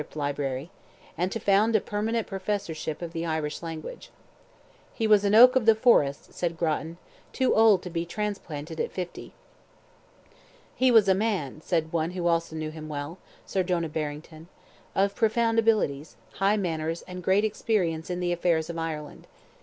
library, and to found a permanent professorship of the Irish language. "He was an oak of the forest," said Grattan, "too old to be transplanted at fifty." "He was a man," said one who also knew him well, Sir Jonah Barrington, "of profound abilities, high manners, and great experience in the affairs of Ireland.